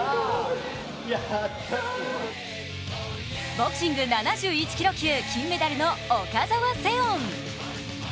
ボクシング７１キロ級金メダルの岡澤セオン。